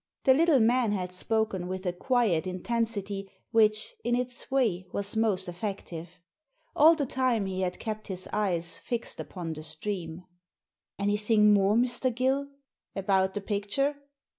The little man had spoken with a quiet intensity which, in its way, was most effective. All the time he had kept his eyes fixed upon the stream, "Anything more, Mr. Gill?" "About the picture?"